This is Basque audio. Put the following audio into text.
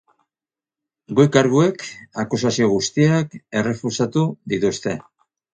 Goi-karguek akusazio guztiak errefusatu dituzte.